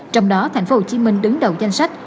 trong đó thành phố hồ chí minh đứng đầu danh sách